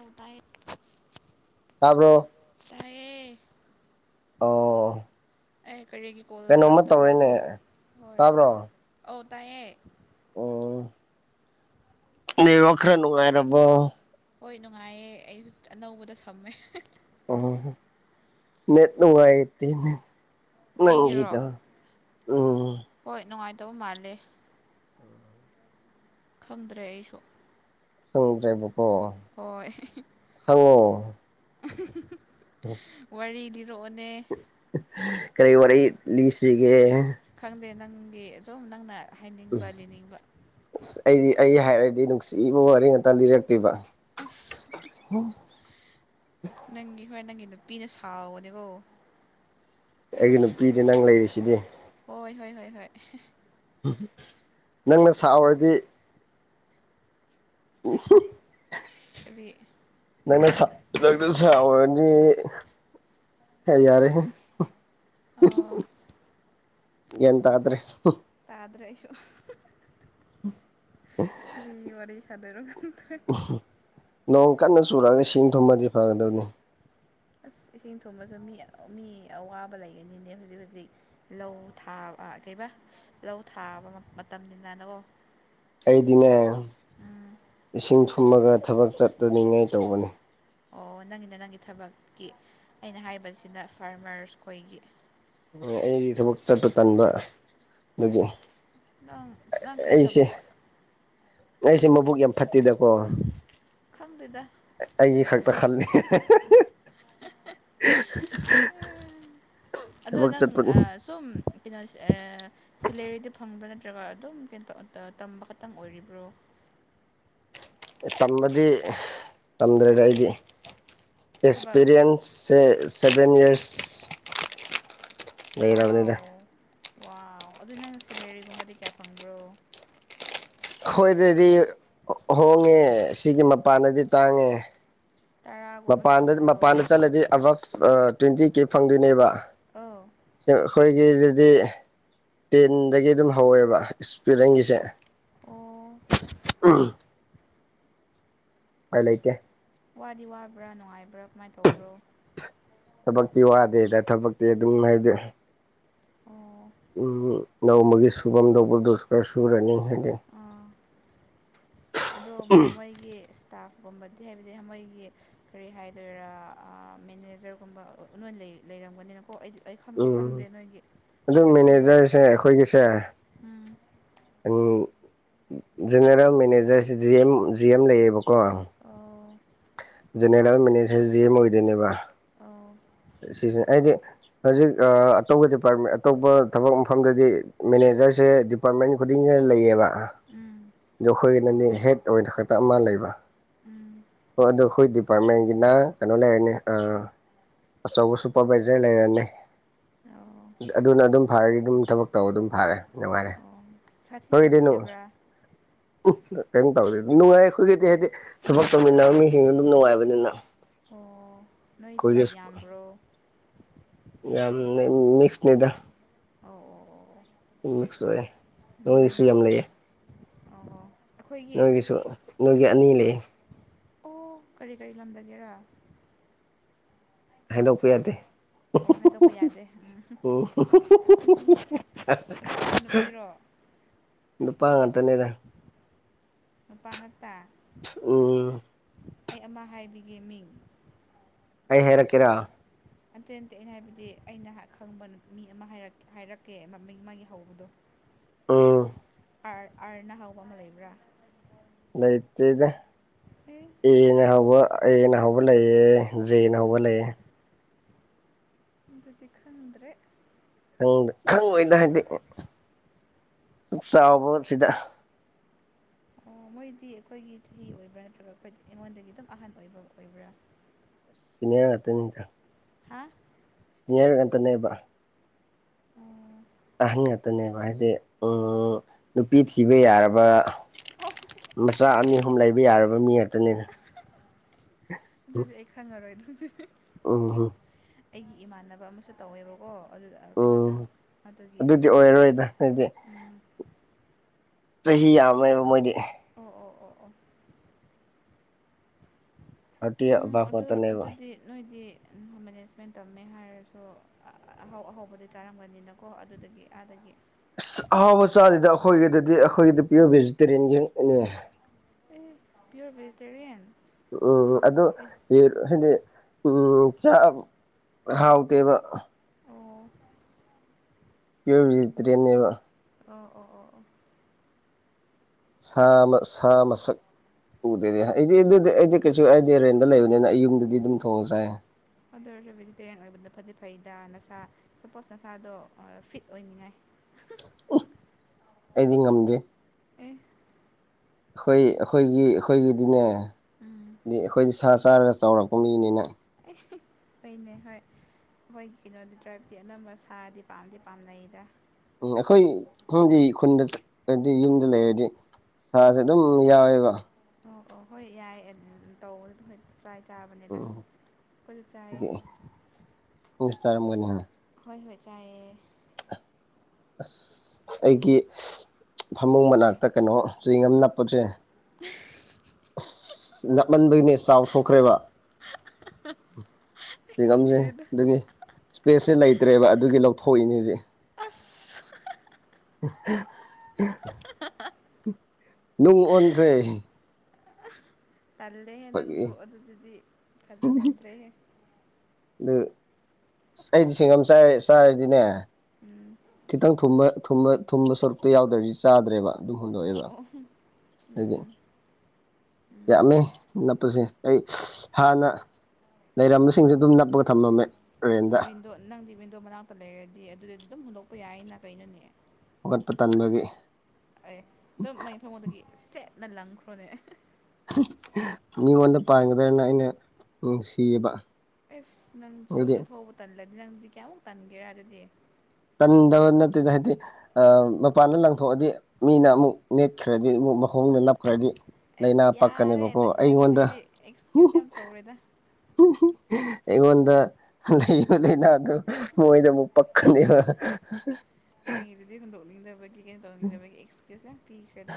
ꯑ ꯇꯥꯏ ꯇꯥꯕ꯭ꯔꯣ ꯇꯌꯦꯦ ꯑꯣ ꯑꯩ ꯀꯔꯤꯒꯤ ꯀꯣꯜ ꯀꯩꯅꯣꯝꯃ ꯂꯥꯛꯇꯕ꯭ꯔꯀꯣ ꯇꯧꯋꯦꯅꯦ ꯍꯣꯏ ꯑꯧ ꯇꯥꯏꯌꯦꯦ ꯑꯣ ꯅꯦꯔ ꯈꯔ ꯅꯨꯡꯉꯥꯏꯔꯕꯣ ꯍꯣꯏ ꯅꯨꯡꯉꯥꯏꯌꯦ ꯑꯩ ꯖꯨ ꯑꯅꯧꯕꯗ ꯁꯝꯃꯦ ꯑꯣ ꯅꯠ ꯅꯨꯡꯉꯥꯏꯇꯅꯦ ꯑꯩꯒꯤꯔꯣ ꯅꯪꯒꯤꯗꯣ ꯎꯝ ꯍꯣꯏ ꯅꯨꯡꯉꯥꯏꯇꯕ ꯃꯥꯜꯂꯦ ꯈꯪꯗ꯭ꯔꯦ ꯑꯩꯁꯨ ꯁꯪꯗ꯭ꯔꯦꯕꯀꯣ ꯍꯣꯏ ꯋꯥꯔꯤ ꯂꯤꯔꯛꯑꯣꯅꯦ ꯀꯔꯤ ꯋꯥꯔꯤ ꯂꯤꯁꯤꯒꯦ ꯈꯪꯗꯦ ꯅꯪꯒꯤ ꯑꯨꯝ ꯅꯪꯅ ꯍꯥꯏꯅꯤꯡꯕ ꯂꯤꯅꯤꯡꯕ ꯑꯁ ꯑꯩꯗꯤ ꯑꯩ ꯍꯥꯏꯔꯗꯤ ꯅꯨꯡꯁꯤꯕ ꯋꯥꯔꯤ ꯉꯥꯛꯇ ꯂꯤꯔꯛꯇꯣꯏꯕ ꯑꯁ ꯅꯪꯒꯤ ꯍꯣꯔꯦꯟ ꯅꯪꯒꯤ ꯅꯨꯄꯤꯅ ꯁꯥꯎꯕꯅꯦꯀꯣ ꯑꯩꯒꯤ ꯅꯨꯄꯤꯗꯤ ꯅꯪ ꯂꯩꯔꯤꯁꯤꯗꯤ ꯍꯣꯏ ꯍꯣꯏ ꯍꯣꯏ ꯍꯣꯏ ꯅꯪꯅ ꯁꯥꯥꯎꯎꯔꯗꯤ ꯎ ꯑꯗꯨꯔꯤ ꯅꯪꯅ ꯁꯔꯗꯤ ꯍꯥꯏ ꯌꯥꯔꯦ ꯑꯥꯎ ꯌꯦꯇ꯭ꯔꯦ ꯇꯥꯗ꯭ꯔꯦꯁꯨ ꯎꯝ ꯀ ꯐꯤ ꯋꯥꯔꯤ ꯋꯥꯔꯤ ꯆꯗꯔ ꯈꯗꯦ ꯅꯣꯡ ꯀꯟꯅ ꯆꯨꯔꯑꯒ ꯏ ꯁꯤꯡ ꯊꯨꯝꯃꯗꯤ ꯐꯒꯗꯕꯅꯤ ꯑꯁ ꯏꯁꯤꯡ ꯊꯨꯝꯕꯁꯨ ꯃꯤ ꯃꯤ ꯑꯋꯥꯕ ꯂꯩꯒꯅꯤꯅꯦ ꯍꯧꯖꯤꯛ ꯍꯧꯖꯤꯛ ꯂꯧ ꯊꯥꯕ ꯀꯩꯕ ꯂꯧ ꯊꯥꯕ ꯃꯇꯝꯅꯤꯅꯅꯀꯣ ꯑꯩꯗꯤꯅꯦ ꯏꯁꯤꯡ ꯊꯨꯝꯃꯒ ꯊꯕꯛ ꯆꯠꯇꯅꯤꯡꯉꯥꯏ ꯇꯧꯕꯅꯤ ꯑꯣ ꯅꯪꯒꯤꯅ ꯅꯪꯒꯤ ꯊꯕꯛꯀꯤ ꯑꯩꯅ ꯍꯥꯏꯕꯁꯤꯗ ꯐꯥꯔꯃꯔꯁ ꯈꯣꯏꯒꯤ ꯑꯩꯒꯤ ꯊꯕꯛ ꯆꯠꯄ ꯇꯟꯕ ꯑꯗꯨꯒꯤ ꯅꯪ ꯅꯪ ꯀꯩ ꯑꯩꯁꯦ ꯊꯕꯛꯑꯣ ꯑꯩꯁꯦ ꯃꯕꯨꯛ ꯌꯥꯝ ꯐꯠꯇꯦꯗꯀꯣ ꯈꯪꯗꯦꯗ ꯑꯩꯒꯤ ꯈꯛꯇ ꯈꯜꯂꯤ ꯑꯗꯣ ꯊꯕꯛ ꯅꯪ ꯆꯠꯄ ꯁꯨꯝ ꯀꯩꯅꯣ ꯁꯦꯂꯦꯔꯤꯗꯤ ꯐꯪꯕ꯭ꯔꯥ ꯅꯠꯇ꯭ꯔꯒ ꯑꯗꯨꯝ ꯀꯩꯅꫭ ꯇꯝꯕ ꯈꯛꯇꯪ ꯑꯣꯏꯔꯤꯕ꯭ꯔꯣ ꯇꯝꯕꯗꯤ ꯇꯝꯗ꯭ꯔ‌ꯦꯗ ꯑꯩꯗꯤ ꯊꯕꯛ ꯑꯦꯛꯁꯄꯤꯔꯤꯌꯦꯟꯁ ꯁꯦ ꯁꯚꯦꯟ ꯌꯔꯁ ꯋꯥꯎ ꯂꯩꯔꯕꯅꯤꯗ ꯋꯥꯎ ꯑꯗꯨꯗꯤ ꯅꯪ ꯁꯦꯂꯦꯔꯤꯒꯨꯝꯕꯗꯤ ꯀꯌꯥ ꯐꯪꯕ꯭ꯔꯣ ꯑꯈꯣꯏꯗꯗꯤ ꯍꯣꯡꯉꯦ ꯁꯤꯒꯤ ꯃꯄꯥꯟꯗꯗꯤ ꯇꯥꯡꯉꯦ ꯇꯔꯥꯒꯨꯝꯕ ꯃꯄꯥꯟꯗ ꯁꯨꯕ꯭ꯔꯣ ꯃꯄꯥꯟꯗ ꯆꯠꯂꯗꯤ ꯑꯕꯞ ꯇ꯭ꯋꯦꯟꯇꯤ ꯀꯦ ꯐꯪꯗꯣꯏꯅꯦꯕ ꯑꯧ ꯑꯩꯈꯣꯏꯒꯤꯁꯤꯗꯤ ꯇꯦꯟꯗꯒꯤ ꯑꯗꯨꯝ ꯍꯧꯋꯦꯕ ꯏꯁꯄꯤꯂ‌ꯦꯡꯒꯤꯁꯦ ꯑꯣ ꯎꯝ ꯎꯄꯥꯏ ꯂꯩꯇ‌ꯦ ꯋꯥꯗꯤ ꯋꯥꯕ꯭ꯔꯥ ꯅꯨꯡꯉꯥꯏꯕ꯭ꯔꯥ ꯀꯃꯥꯏꯅ ꯇꯧꯕ꯭ꯔꯣ ꯊꯕꯛꯇꯤ ꯋꯥꯗꯦꯗ ꯊꯕꯛꯇꯤ ꯑꯗꯨꯝ ꯍꯥꯏꯗꯤ ꯑꯣ ꯎꯝ ꯅꯣꯡꯃꯒꯤ ꯁꯨꯐꯝꯗꯧꯕ ꯗꯣ ꯈꯔ [unintelligible] ꯁꯨꯔꯅꯤ ꯍꯥꯏꯗꯤ ꯎꯝ ꯑꯗꯣ ꯃꯣꯏꯒꯤ ꯑꯁ ꯁ꯭ꯇꯥꯐꯀꯨꯝꯕꯗꯤ ꯍꯥꯏꯕꯗꯤ ꯃꯣꯏꯒꯤ ꯀꯔꯤ ꯍꯥꯏꯗꯣꯏꯔꯥ ꯃꯦꯅꯦꯖꯔꯒꯨꯝꯕ ꯅꯣꯏ ꯂꯩ ꯂꯩꯔꯝꯒꯅꯤꯅꯀꯣ ꯑꯩꯗꯤ ꯑꯩ ꯈꯪꯗꯤ ꯎꯝ ꯈꯪꯗꯦ ꯅꯣꯏꯒꯤ ꯑꯗꯨ ꯁꯥꯊꯤꯕ ꯃꯦꯅꯦꯖꯔꯁꯦ ꯑꯩꯈꯣꯏꯒꯤꯁꯦ ꯎꯝ general managers G M G M ꯂꯩꯌꯦꯕꯀꯣ ꯑꯣ ꯖꯦꯅꯦꯔꯦꯜ ꯃꯦꯅꯦꯁꯔ ꯖꯤ ꯑꯦꯝ ꯑꯣꯏꯗꯣꯏꯅꯦꯕ ꯑꯧ ꯁꯤꯁ ꯑꯩꯗꯤ ꯍꯧꯖꯤꯛ ꯑ ꯑꯇꯧꯕ ꯗꯤꯄꯥꯔꯠꯃꯦꯟ ꯑꯇꯣꯞꯄ ꯊꯕꯛ ꯃꯐꯝꯗꯗꯤ ꯃꯦꯅꯦꯖꯔꯁꯦ ꯑꯦꯄꯔꯠꯃꯦꯟ ꯈꯨꯗꯤꯡ ꯈ ꯂꯩꯌꯦꯕ ꯎꯝ ꯑꯗꫭ ꯑꯩꯈꯣꯏꯒꯤꯅꯗꯤ ꯍꯦꯠ ꯑꯣꯏꯅ ꯈꯛꯇ ꯑꯃ ꯂꯩꯕ ꯎꯝ ꯍꯣꯏ ꯑꯗꯣ ꯑꯩꯈꯣꯏ ꯗꯤꯄꯥꯔꯠꯃꯦꯟꯒꯤꯅ ꯀꯩꯅꯣ ꯂꯩꯔꯅꯤ ꯑꯥ ꯑꯆꯧꯕ ꯁꯨꯄꯔꯚꯥꯏꯖꯔ ꯂꯩꯔꯅꯤ ꯑꯣ ꯑꯗꯨꯅ ꯑꯗꯨꯝ ꯐꯔꯗꯤ ꯑꯗꯨꯝ ꯊꯕꯛ ꯇꯧꯕ ꯑꯗꯨꯝ ꯐꯥꯔꯦ ꯅꯨꯡꯉꯥꯏꯔꯦ ꯁꯥꯠꯊꯤ ꯁꯥꯊꯤꯗ꯭ꯕꯔꯥ ꯎꯝ ꯀꯩꯅꯣ ꯇꯧꯗꯦ ꯅꯨꯡꯉꯥꯏ ꯑꯩꯈꯣꯏꯒꯤꯗꯤ ꯍꯥꯏꯗꯤ ꯊꯕꯛ ꯇꯧꯃꯤꯟꯅꯕ ꯃꯤꯁꯤꯡꯁꯨ ꯑꯗꯨꯝ ꯅꯨꯡꯉꯥꯏꯕꯅꯤꯅ ꯑꯣ ꯅꯣꯏ ꯇ꯭ꯔꯥꯏꯞ ꯑꯩꯈꯣꯏꯒꯤꯁꯨ ꯌꯥꯝꯕ꯭ꯔꯣ ꯌꯥꯝ ꯃꯤꯛꯁꯅꯦꯗ ꯑꯧ ꯑꯣ ꯃꯤꯛꯁ ꯑꯣꯏꯦ ꯅꯣꯏꯒꯤꯁꯨ ꯌꯥꯝ ꯂꯩꯌꯦ ꯑꯣ ꯑꯣ ꯑꯣ ꯑꯩꯈꯣꯏꯒꯤ ꯅꯣꯏꯒꯤꯁꯨ ꯅꯣꯏꯒꯤ ꯑꯅꯤ ꯂꯩꯌ‌ꯦ ꯑꯣ ꯀꯔꯤ ꯀꯔꯤ ꯂꯝꯗꯒꯦꯔꯥ ꯍꯥꯏꯗꯣꯛꯄ ꯌꯥꯗꯦ ꯑꯣ ꯍꯥꯏꯗꯣꯛꯄ ꯌꯥꯗꯦ ꯎꯝ ꯑꯣ ꯅꯨꯄꯥꯔꯣ ꯅꯨꯄꯤꯔꯣ [unintelligible] ꯅꯨꯄꯥ ꯉꯥꯇꯅꯦꯗ ꯅꯨꯄꯥ ꯉꯥꯛꯇꯥ ꯎꯝ ꯑꯩ ꯑꯃ ꯍꯥꯏꯕꯤꯒꯦ ꯃꯤꯡ ꯑꯩ ꯍꯥꯏꯔꯛꯀꯦꯔꯥ ꯅꯠꯇꯦ ꯅꯠꯇꯦ ꯑꯩꯅ ꯍꯥꯏꯕꯗꯤ ꯑꯩꯅ ꯈꯪꯕ ꯃꯤ ꯑꯃ ꯍꯥꯏꯔꯛ ꯍꯥꯏꯔꯛꯀꯦ ꯃꯃꯤꯡ ꯃꯥꯒꯤ ꯍꯧꯕꯗꯣ ꯎꯝ ꯑꯥꯔ ꯑꯥꯔꯅ ꯍꯧꯕ ꯑꯃ ꯂꯩꯕ꯭ꯔꯥ? ꯂꯩꯇ‌ꯦꯗ ꯍ [unintelligible] ꯑꯦꯅ ꯍꯧꯕ ꯑꯦꯅ ꯍꯧꯕ ꯂꯩꯌꯦ ꯖꯦꯅ ꯑꯥ ꯍꯧꯕ ꯂꯩꯌꯦꯦ ꯑꯗꯨꯗꯤ ꯈꯪꯗ꯭ꯔꯦ꯫ ꯗ ꯈꯪꯉꯣꯏꯗ ꯍꯥꯏꯗꯤ ꯁ ꯆꯥꯎꯕ ꯁꯤꯗ ꯑꯣ ꯃꯣꯏꯗꯤ ꯑꯩꯈꯣꯏꯒꯤ ꯆꯍꯤ ꯑꯣꯏꯕ꯭ꯔꯥ ꯅꯠꯇ꯭ꯔꯒ ꯈꯣꯏꯗ ꯑꯩꯉꯣꯟꯗꯒꯤ ꯑꯗꯨꯝ ꯑꯍꯥꯟꯕ ꯑꯣꯏꯕ ꯑꯣꯏꯕ꯭ꯔꯥ? ꯁꯤꯅꯤꯌꯔ ꯉꯇꯅꯤꯗ ꯍꯥꯥ ꯅꯤꯌꯔ ꯉꯟꯇꯅꯦꯕ ꯑꯣ ꯑꯍꯟ ꯉꯥꯛꯛꯇꯅꯦꯕ ꯍꯥꯏꯗꯤ ꯎ ꯑꯣ ꯅꯨꯄꯤ ꯊꯤꯕ ꯌꯥꯔꯕ ꯑꯣ ꯃꯆꯥ ꯑꯅꯤ ꯑꯍꯨꯝ ꯂꯩꯕ ꯌꯥꯔꯕ ꯃꯤ ꯉꯥꯛꯇꯅꯤꯅꯦ ꯑꯗꯨꯗꯤ ꯑꯩ ꯈꯪꯉꯔꯣꯏ ꯑꯗꯨꯗꯤ ꯎꯝ ꯍꯝ ꯑꯩꯒꯤ ꯏꯃꯥꯟꯅꯕ ꯑꯃꯁꯨ ꯇꯧꯋꯦꯕꯀꯣ ꯑꯗꯨ ꯎꯝ ꯀꯩꯅꯣꯗ ꯑꯗꯨꯒꯤ ꯍꯪꯕꯅꯤꯗ ꯑꯣꯏꯔꯔꯣꯏꯗ ꯑꯗꯨꯗꯤ ꯎꯝ ꯆꯍꯤ ꯌꯥꯝꯣꯏꯕ ꯃꯣꯏꯗꯤ ꯑꯣ ꯑꯣ ꯑꯣ ꯑꯣ ꯊꯥꯔꯇꯤ ꯎꯝ ꯑꯕꯞ ꯑꯗꯨ ꯉꯥꯛꯇꯅꯦꯕ ꯑꯗꯨꯗꯤ ꯅꯣꯏꯗꯤ ꯃꯦꯅꯦꯖꯃꯦꯟ ꯇꯧꯃꯦ ꯍꯥꯏꯔꯁꯨ ꯑꯍꯥꯎ ꯑꯍꯧꯕꯗꯤ ꯆꯥꯔꯝꯒꯅꯤꯅꯀꯣ ꯑꯗꯨꯗꯒꯤ ꯑꯗꯒꯤ ꯑꯁ ꯑꯍꯥꯎꯕ ꯆꯥꯁꯤꯗ ꯑꯩꯈꯣꯏꯒꯤꯗꯗꯤ ꯑꯩꯈꯣꯏꯒꯤꯗꯤ ꯄꯤꯌꯣꯔ ꯚꯦꯖꯤꯇꯦꯔꯤꯌꯟꯒꯤꯅꯦ ꯑꯦ ꯄꯤꯌꯣꯔ ꯦꯖꯤꯇꯦꯔꯤꯌꯦꯟ ꯎꯝꯝ ꯑꯗꯨꯗ ꯌꯨꯔ ꯍꯥꯏꯗꯤ ꯎ ꯆꯥꯛ ꯍꯥꯎꯇꯦꯕ꯫ ꯑꯣ [unintelligible] ꯑꯣ ꯑꯣ ꯑꯣ ꯑꯣ ꯁꯥ ꯁꯥ ꯃꯁꯛ ꯎꯗꯦꯗꯤ ꯑꯩꯗꯤ ꯑꯗꯨꯗꯤ ꯑꯩꯗꯤ ꯀꯩꯁꯨ ꯑꯩꯗꯤ ꯔꯦꯟꯗ ꯂꯩꯕꯅꯤꯅ ꯑꯩ ꯌꯨꯝꯗꯗꯤ ꯑꯗꯨꯝ ꯊꯣꯡꯉ ꯆꯥꯏ ꯑꯗꯨ ꯑꯣꯏꯔꯁꯨ ꯚꯦꯖꯤꯇꯦꯔꯤꯌꯟ ꯑꯣꯏꯕꯗ ꯐꯗꯤ ꯐꯩꯗ ꯅꯁꯥ ꯁꯄꯣꯁ ꯅꯁꯥꯗꯣ ꯐꯤꯠ ꯑꯣꯏꯅꯤꯡꯉꯥꯏ ꯑꯩꯗꯤ ꯉꯝꯗꯦ ꯑꯦ ꯈꯣꯢ ꯑꯈꯣꯢꯒꯤ ꯑꯈꯣꯢꯒꯤꯗꯤꯅꯦ ꯎꯝ ꯗꯤ ꯑꯈꯣꯢꯗꯤ ꯁꯥ ꯆꯥꯔꯒ ꯆꯥꯎꯔꯛꯄ ꯃꯤꯅꯤꯅ ꯍꯣꯏꯅꯦ ꯍꯣꯏ ꯑꯈꯣꯏꯒꯤ ꯀꯩꯅꯣꯗꯤ ꯇ꯭ꯔꯥꯕꯇꯤ ꯑꯅꯝꯕ ꯁꯥꯗꯤ ꯄꯥꯝꯗꯤ ꯄꯥꯝꯅꯩꯗ꯫ ꯎꯝ ꯑꯩꯈꯣꯏꯪꯗꯤ ꯈꯨꯟꯗ ꯆꯠꯄꯗꯤ ꯌꯨꯝꯗ ꯂꯩꯔꯗꯤ ꯁꯥꯁꯦ ꯑꯗꯨꯝ ꯌꯥꯎꯋꯦꯕ꯫ ꯑꯣ ꯑꯣ ꯍꯣꯢ ꯌꯥꯢ ꯑ ꯑ ꯇꯧꯕꯅꯗꯤ ꯐꯩ꯫ ꯆꯥꯢ ꯆꯥꯕꯅꯤꯗ ꯎꯝ ꯑꯩꯈꯣꯢꯁꯨ ꯆꯥꯢꯌꯦ꯫ ꯃꯤꯁꯇꯔꯝꯕꯅꯤ ꯍꯣꯏ ꯍꯣꯏ ꯆꯥꯏꯌꯦ ꯑꯁ ꯑꯩꯒꯤ ꯐꯃꯨꯡ ꯃꯅꯥꯛꯇ ꯀꯩꯅꯣ ꯆ꯭ꯋꯤꯡꯒꯝ ꯅꯞꯄꯖꯦ ꯅꯞꯃꯟꯕꯩꯅꯦ ꯆꯥꯎꯊꯣꯛꯈ꯭ꯔꯦꯕ ꯆ꯭ꯋꯤꯡꯉꯝꯖꯦ ꯁꯤꯔꯦꯗ ꯑꯗꯨꯒꯤ ꯁ꯭ꯄꯦꯁꯁꯦ ꯂꯩꯇ꯭ꯔꯦꯕ ꯑꯗꯨꯒꯤ ꯂꯧꯊꯣꯛꯏꯅꯦ ꯍꯧꯖꯤꯛ꯫ [unintelligible] [unintelligible] ꯅꯨꯡ ꯑꯣꯟꯈ꯭ꯔꯦ ꯇꯜꯂꯦꯍꯦ ꯑꯩꯈꯣꯏꯒꯤ ꯅꯪꯁꯨ ꯑꯗꯨꯗꯗꯤ ꯐꯖꯃꯟꯗ꯭ꯔꯦꯍꯦ꯫ ꯑꯝ ꯑꯁ ꯑꯩꯗꯤ ꯁꯤꯡꯒꯝ ꯆꯌꯦ ꯆꯥꯔꯗꯤꯅꯦ ꯎꯝ ꯈꯤꯇꯪ ꯊꯨꯝꯕ ꯊꯨꯝꯕ ꯁꯣꯔꯨꯛꯇ ꯌꯥꯎꯗ꯭ꯔꯗꯤ ꯆꯥꯗ꯭ꯔꯦꯕ ꯑꯗꯨꯝ ꯍꯨꯟꯗꯣꯛꯑꯦꯕ ꯑꯧ ꯑꯗꯒꯤ ꯎꯝ ꯌꯥꯝꯃꯦ ꯅꯞꯄꯁꯦ ꯑꯩ ꯍꯥꯟꯅ ꯂꯩꯔꯝꯕꯁꯤꯡꯖꯨ ꯑꯗꯨꯝ ꯅꯞꯄꯒ ꯊꯝꯃꯝꯃꯦ꯫ ꯔꯦꯟꯗ ꯋꯤꯟꯗꯣ ꯅꯪꯗꯤ ꯋꯤꯟꯗꯣ ꯃꯅꯥꯛꯇ ꯂꯩꯔꯗꯤ ꯑꯗꯨꯗꯤ ꯑꯗꯨꯝ ꯍꯨꯟꯗꯣꯛꯄ ꯌꯥꯏꯌꯦꯅ ꯀꯩꯅꯣꯅꯦ ꯍꯧꯒꯠꯄ ꯇꯟꯕꯒꯤ ꯑꯦ ꯑꯗꯨꯝ ꯃꯩꯅ ꯐꯉꯣꯟꯗꯒꯤ ꯁꯦꯠꯅ ꯂꯪꯈ꯭ꯔꯣꯅꯦ ꯃꯤꯉꯣꯟꯗ ꯄꯥꯟꯒ꯭ꯔꯦꯅ ꯑꯩꯅ ꯅꯨꯡꯁꯤꯌꯦꯕ ꯑꯦꯁ ꯅꯪꯁꯨ ꯑꯗꯨꯗꯤ ꯑꯗꯨ ꯐꯥꯎꯕ ꯇꯜꯂꯗꯤ ꯅꯪꯗꯤ ꯀꯌꯥꯃꯨꯛ ꯇꯟꯒꯦꯔꯥ ꯑꯗꯨꯗꯤ꯫ ꯇꯟꯗꯕ ꯅꯠꯇꯦꯗ ꯍꯥꯏꯗꯤ ꯃꯄꯥꯟꯅ ꯂꯪꯊꯣꯛꯑꯗꯤ ꯃꯤꯅ ꯑꯃꯨꯛ ꯅꯦꯠꯈ꯭ꯔꯗꯤ ꯑꯃꯨꯛ ꯃꯈꯣꯡꯅ ꯅꯞꯈ꯭ꯔꯗꯤ ꯑꯁ ꯂꯩꯅꯥ ꯌꯥꯔꯦ ꯄꯥꯛꯀꯅꯦꯕꯀꯣ ꯑꯩꯉꯣꯟꯗ ꯅꯪꯒꯤꯗꯨꯗꯤ ꯑꯦꯛꯁꯀ꯭ꯌꯨꯁ ꯌꯥꯝ ꯇꯧꯔꯦꯗ ꯑꯩꯉꯣꯟꯗ ꯂꯩꯕ ꯂꯩꯅꯥ ꯑꯗꯨ ꯃꯣꯏꯗ ꯑꯃꯨꯛ ꯄꯈꯅꯤ ꯅꯪꯒꯤꯗꯨꯗꯤ ꯍꯨꯟꯗꯣꯛꯅꯤꯡꯗꯕꯒꯤ ꯀꯩꯅꯣ ꯇꯧꯅꯤꯡꯗꯕꯒꯤ ꯑꯦꯛꯁꯀ꯭ꯌꯨꯁ ꯌꯥꯝ ꯄꯤꯈ꯭ꯔꯦꯗ꯫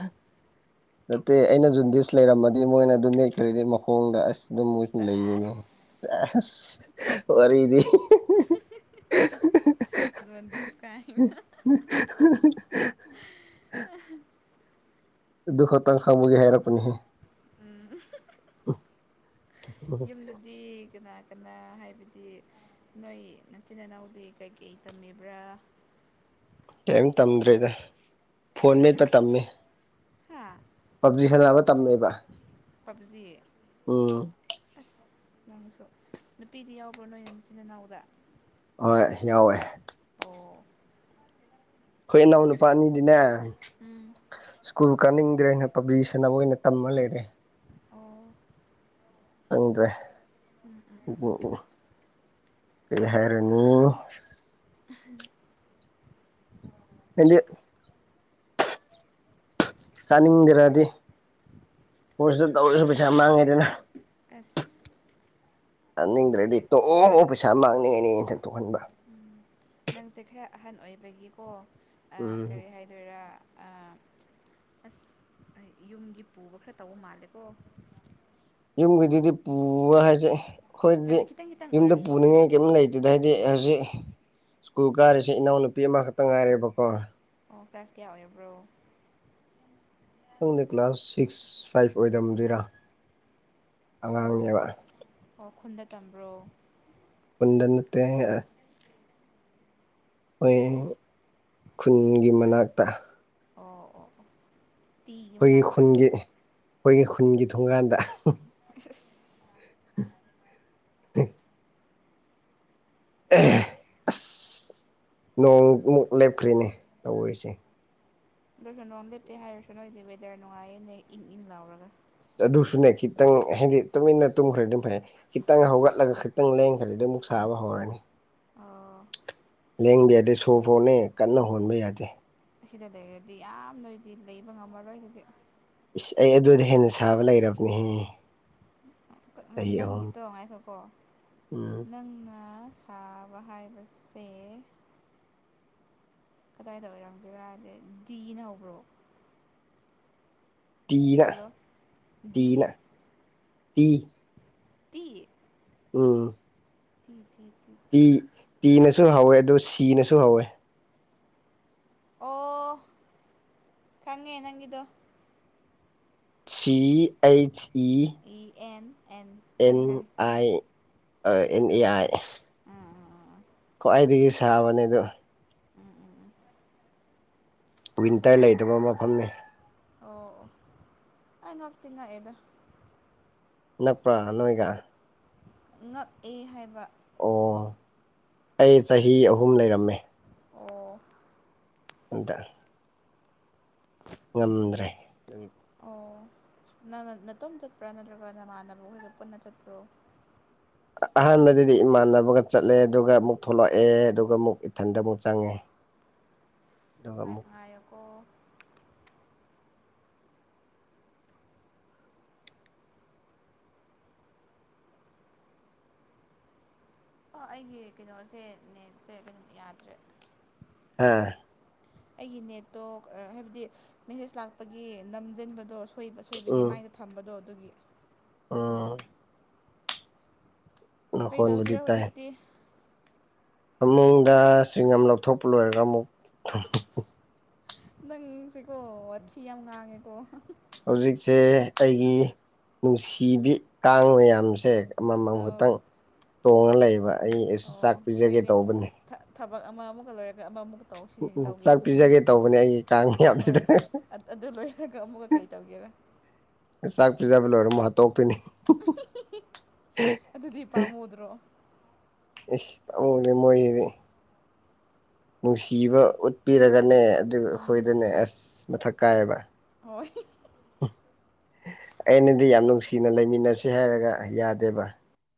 ꯅꯠꯇꯦ ꯑꯩꯅ ꯖꯨꯟꯗꯤꯁ ꯂꯩꯔꯝꯃꯗꯤ ꯃꯣꯏꯅ ꯑꯗꯨ ꯅꯦꯛꯈ꯭ꯔꯦꯗꯤ ꯃꯈꯣꯡꯗ ꯑꯁ ꯑꯗꯨꯝ ꯃꯨꯁꯅ ꯂꯩꯗꯣꯏꯅꯦ ꯆꯁ ꯑꯁ ꯋꯥꯔꯤꯗꯤ ꯖꯣꯟꯗꯤꯁ ꯀꯥꯏꯅ 'unintelligible' ꯑ ꯑꯗꯨ ꯈꯛꯇꯪ ꯈꯪꯕꯒꯤ ꯍꯥꯏꯔꯛꯄꯅꯤꯍꯦ ꯎꯝ ꯑ ꯌꯨꯝꯗꯗꯤ ꯀꯅꯥ꯫ ꯀꯅꯥ ꯍꯥꯢꯕꯗꯤ ꯅꯣꯢ ꯅꯆꯤꯟꯅꯥꯎꯗꯤ ꯀꯩꯀꯩ ꯇꯝꯃꯤꯕ꯭ꯔꯥ꯫ ꯀꯩꯝ ꯇꯝꯗ꯭ꯔꯦꯗ꯫ ꯐꯣꯟ ꯃꯦꯠꯄ ꯀꯩꯅꯣꯒꯤ ꯇꯝꯃꯤ ꯍꯥ ꯄꯞꯖꯤ ꯁꯥꯟꯅꯕ ꯇꯝꯃꯦꯕ ꯖꯤꯌꯦ ꯎꯝ ꯑꯁ ꯅꯪꯁꯨ ꯅꯨꯄꯤꯗꯤ ꯌꯥꯎꯕ꯭ꯔꯣ ꯅꯣꯏꯅ ꯏꯆꯤꯟ ꯏꯅꯥꯎꯗ ꯍꯣꯏ ꯌꯥꯎꯋꯦ ꯑꯣ ꯈꯣꯢ ꯏꯅꯥꯎ ꯅꯨꯄꯥ ꯑꯅꯤꯗꯤꯅꯦ ꯎꯝ ꯁ꯭ꯀꯨꯜ ꯀꯥꯅꯤꯡꯗ꯭ꯔꯦꯅ ꯄꯕ꯭ꯂꯤꯇꯁꯟ ꯑꯃ ꯑꯣꯏꯅ ꯇꯝꯃ ꯂꯩꯔꯦ ꯑꯣ ꯈꯪꯗ꯭ꯔꯦ ꯎꯕ ꯎꯕ ꯀꯩ ꯍꯥꯏꯔꯅꯤ꯫ ꯑꯩꯗꯤ ꯀꯥꯅꯤꯡꯗ꯭ꯔꯗꯤ ꯄꯣꯏꯁꯤꯇ ꯇꯧꯔꯁꯨ ꯄꯩꯁꯥ ꯃꯥꯡꯉꯦꯗꯅ ꯑꯁ ꯆꯅꯤꯡꯗ꯭ꯔꯗꯤ ꯇꯣꯛꯑꯣ ꯄꯩꯁꯥ ꯃꯥꯡꯅꯤꯡꯉꯦꯅꯦ ꯏꯟꯊ ꯇꯣꯛꯍꯟꯕ ꯎꯝ ꯅꯪꯁꯦ ꯈꯔ ꯑꯍꯟ ꯑꯣꯏꯕꯒꯤꯀꯣ ꯎꯝ ꯀꯔꯤ ꯍꯥꯏꯅ ꯑꯗꯨꯔ ꯑꯁ ꯌꯨꯝꯒꯤ ꯄꯨꯕ ꯈꯔ ꯇꯧꯕ ꯃꯥꯜꯂꯦꯀꯣ ꯌꯨꯝꯒꯤꯗꯨꯗꯤ ꯄꯨꯕ ꯍꯥꯏꯁꯦ ꯑꯩꯈꯣꯏꯗꯤ ꯍꯥꯏꯕꯗꯤ ꯈꯤꯇꯪ ꯈꯤꯇꯪ ꯌꯨꯝꯗ ꯑꯣꯏꯔꯁꯨ ꯍꯥꯏꯕ ꯄꯨꯅꯤꯡꯉꯥꯏ ꯀꯩꯏꯝ ꯂꯩꯇꯦ ꯗꯨꯗꯩꯗꯤ ꯍꯧꯖꯤꯛ ꯁ꯭ꯀꯨꯜ ꯀꯥꯔꯤꯁꯤ ꯏꯅꯥꯎꯅꯨꯄꯤ ꯑꯃꯈꯛꯇ ꯉꯥꯢꯔꯦꯕꯀꯣ꯫ ꯑꯣ ꯀ꯭ꯂꯥꯁ ꯀꯌꯥ ꯑꯣꯏꯔꯕ꯭ꯔꯣ ꯈꯪꯗꯦ ꯀ꯭ꯂꯥꯁ ꯁꯤꯛꯁ ꯐꯥꯏꯐ ꯑꯣꯏꯗꯝꯗꯣꯏꯔ ꯑꯣ ꯑꯉꯥꯡꯅꯦꯕ꯫ ꯑꯣ ꯈꯨꯟꯗ ꯇꯝꯕ꯭ꯔꯣ꯫ ꯄꯨꯟꯗ ꯅꯠꯇ ꯍꯣꯢ ꯈꯨꯟꯒꯤ ꯃꯅꯥꯛꯇ ꯑꯣ ꯑꯣ ꯑꯣ ꯇꯤꯒꯤ ꯈꯣꯢꯒꯤ ꯃꯅꯥꯛꯇ ꯈꯨꯟꯒꯤ ꯈꯣꯢꯒꯤ ꯈꯨꯟꯒꯤ ꯊꯣꯡꯒꯥꯟꯗ ꯑꯁ꯫ [inaudible] ꯑꯁ ꯅꯣꯡꯃꯨꯛ ꯂꯦꯞꯈ꯭ꯔꯔꯤꯅꯦ ꯇꯔꯤꯁꯦ ꯑꯗꯨꯁꯨ ꯅꯣꯡ ꯂꯦꯞꯇꯦ ꯍꯥꯢꯔꯁꯨ ꯅꯣꯢꯗꯤ ꯋꯦꯗꯔ ꯅꯨꯡꯉꯥꯢꯌꯦꯅꯦ ꯏꯪ ꯏꯪ ꯂꯥꯎꯔꯒ꯫ ꯑꯗꯨꯁꯨꯅ ꯈꯤꯇꯪ ꯍꯥꯏꯗꯤ ꯇꯨꯃꯤꯟꯅ ꯇꯨꯝꯈ꯭ꯔꯗꯤ ꯐꯩ ꯈꯤꯇꯪ ꯍꯧꯒꯠꯂꯒ ꯈꯤꯇꯪ ꯂꯦꯡꯈ꯭ꯔꯗꯤ ꯑꯗꯨ ꯑꯃꯨꯛ ꯁꯥꯕ ꯍꯧꯔꯅꯤ ꯑꯣ ꯂꯦꯡꯕ ꯌꯥꯗꯦ ꯁꯣꯔ ꯐꯣꯔꯅꯦ ꯀꯟꯅ ꯍꯣꯟꯕ ꯌꯥꯗꯦ꯫ ꯑꯁꯤꯗ ꯂꯩꯔꯗꯤ ꯌꯥꯝꯅꯣꯏꯗꯤ ꯂꯩꯕ ꯉꯝꯃꯔꯣꯏ ꯍꯧꯗꯤ ꯏꯁ ꯑꯩ ꯑꯗꯨꯗꯩ ꯍꯦꯟꯅ ꯁꯥꯕ ꯂꯩꯔꯕꯅꯦꯍꯦ꯫ ꯆꯍꯤ ꯑꯍꯨꯝ ꯅꯪꯒꯤꯗꯣ ꯉꯥꯏꯈꯣꯀꯣ ꯎꯝ ꯅꯪꯅ ꯊꯥꯕ ꯍꯥꯏꯕꯁꯦ ꯀꯗꯥꯢꯗ ꯑꯣꯢꯔꯝꯒꯦꯔꯗꯤ ꯗꯤꯅ ꯍꯧꯕ꯭ꯔꯣ꯫ ꯇꯤꯅ ꯍꯜꯂꯣ ꯗꯤ ꯇꯤꯅ ꯇꯤ ꯇꯤ ꯎꯝ ꯇꯤ ꯇꯤ ꯇꯤ ꯇꯤ꯫ ꯇꯤꯅꯁꯨ ꯍꯧꯋꯦ ꯑꯗꯨꯣ ꯁꯤꯅꯁꯨ ꯍꯧꯋꯦ ꯑꯣ ꯈꯪꯉꯦ ꯅꯪꯒꯤꯗꯣ꯫ ꯁꯤ H E E N and and ꯈꯪꯉꯦ ꯈꯪꯉꯦ ꯑꯥꯏ ꯑꯦꯟ ꯑꯦ ꯑꯥꯏ ꯎꯝ ꯎꯝ ꯎꯝ ꯈ꯭ꯋꯥꯏꯗꯒꯤ ꯁꯥꯕꯅꯦ ꯑꯣ ꯎꯝ ꯎꯝ ꯎꯝ ꯋꯤꯟꯇꯔ ꯂꯩꯇꯕ ꯃꯐꯝꯅꯦ꯫ ꯑꯧ ꯑꯩ ꯉꯛꯇꯤ ꯉꯛꯑꯦꯗ꯫ ꯅꯛꯄ꯭ꯔꯥ ꯅꯣꯢꯒ ꯉꯛꯑꯦ ꯍꯥꯢꯕ ꯑꯣ ꯑꯩ ꯆꯍꯤ ꯑꯍꯨꯝ ꯂꯩꯔꯝꯃꯦ ꯑꯣ ꯎꯇ ꯉꯝꯗ꯭ꯔꯦ ꯑꯣ ꯅꯪ ꯅꯇꯣꯝ ꯆꯠꯄ꯭ꯔꯥ ꯅꯠꯇ꯭ꯔꯒ ꯅꯃꯥꯟꯅꯕ ꯑꯩꯈꯣꯏꯒ ꯄꯨꯟꯅ ꯆꯠꯄ꯭ꯔꯣ ꯑꯍꯥꯟꯕꯗꯗꯤ ꯏꯃꯥꯟꯅꯕꯒ ꯆꯠꯂꯦ ꯑꯗꯨꯒ ꯑꯃꯨꯛ ꯊꯣꯛꯂꯛꯑꯦ ꯑꯗꯨꯒ ꯑꯃꯨꯛ ꯏꯊꯟꯗ ꯑꯃꯨꯛ ꯆꯪꯉꯦ ꯑꯗꯨꯒ ꯑꯃꯨꯛ ꯉꯥꯏꯑꫭꯀꫭ ꯑꯣ ꯑꯩꯒꯤ ꯀꯩꯅꯣꯁꯦ ꯅꯦꯠꯁꯦ ꯀꯩꯅ ꯌꯥꯗ꯭ꯔꯦ ꯑꯝ ꯑꯩꯒꯤ ꯅꯦꯠꯇꯣ ꯍꯥꯏꯕꯗꯤ ꯃꯦꯁꯦꯖ ꯂꯥꯛꯄꯒꯤ ꯅꯝꯁꯤꯟꯕꯗꯣ ꯈꯣꯏ ꯑꯁꯣꯏꯕꯒꯤ ꯃꯥꯏꯗ ꯊꯝꯕꯗꯣ ꯑꯗꯨꯒꯤ ꯑꯣ ꯀꯩ ꯅꯈꯣꯟꯕꯨꯗꯤ ꯇꯧꯒꯦꯔꯦ ꯇꯥꯏ ꯍꯧꯖꯤꯛꯇꯤ ꯐꯃꯨꯡꯗ ꯆꯤꯡ ꯑꯃ ꯂꯧꯊꯣꯛꯄ ꯂꯣꯏꯔꯒ ꯑꯃꯨꯛ ꯅꯪꯁꯦꯀꯣ ꯋꯥꯊꯤ ꯌꯥꯝ ꯉꯥꯡꯉꯦꯀꯣ ꯍꯧꯖꯤꯛꯁꯦ ꯑꯩꯒꯤ ꯅꯨꯡꯁꯤꯕꯤ ꯀꯥꯡ ꯃꯌꯥꯝꯁꯦ ꯑꯃꯃꯝ ꯑꯧ ꯈꯛꯇꯪ ꯇꯣꯡꯉ ꯂꯩꯌꯦꯕ ꯑꯩ ꯑꯩꯁꯨ ꯑꯣ ꯆꯥꯛ ꯄꯤꯖꯒꯦ ꯍꯣꯏꯅꯦ ꯇꯧꯕꯅꯤ ꯊꯕꯛ ꯑꯃ ꯑꯃꯒ ꯂꯣꯏꯔꯒ ꯑꯃ ꯑꯃꯨꯛ ꯇꯧ ꯎꯝ ꯆꯥꯛ ꯇꯧꯒꯦꯁꯤꯅꯤꯉ ꯄꯤꯖꯒꯦ ꯇꯧꯕꯅꯦ ꯑꯩꯒꯤ ꯀꯥꯡ ꯍꯣꯏ ꯃꯌꯥꯝꯁꯤꯗ ꯑꯗꯨ ꯂꯣꯏ꯭ꯔꯒ ꯑꯃꯨꯛꯀ ꯀꯩ ꯇꯧꯒꯦꯔꯥ ꯆꯥꯛ ꯄꯤꯖꯕ ꯂꯣꯏꯔꯒꯥ ꯑꯃꯨꯛ ꯍꯥꯠꯇꯣꯛꯄꯤꯅꯤ ꯑꯗꯨꯗꯤ ꯄꯥꯝꯃꯨꯗ꯭ꯔꯣ ꯏꯁ ꯄꯥꯃꯨꯗꯤ ꯃꯣꯏꯗꯤ ꯅꯨꯡꯁꯤꯕ ꯎꯠꯄꯤꯔꯒꯅꯦ ꯑꯗꯨꯒ ꯎꯝ ꯑꯩꯈꯣꯏꯗꯅꯦ ꯑꯁ ꯃꯊꯛ ꯀꯥꯏꯌꯦꯕ ꯍꯣꯏ ꯑꯩꯅꯗꯤ ꯌꯥꯝ ꯅꯨꯡꯁꯤꯅ ꯂꯩꯃꯤꯟꯅꯁꯦ ꯍꯥꯏꯔꯒ ꯌꯥꯗꯦꯕ